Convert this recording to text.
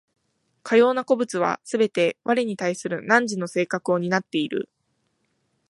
かような個物はすべて我に対する汝の性格を担っている。